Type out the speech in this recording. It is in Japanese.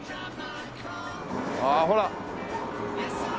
ああほら。